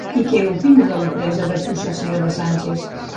I què opina de la presa de possessió de Sánchez?